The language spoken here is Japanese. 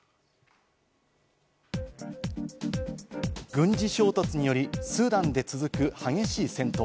軍事衝突により、スーダンで続く激しい戦闘。